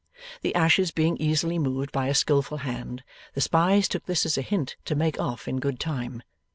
The ashes being easily moved by a skilful hand, the spies took this as a hint to make off in good time.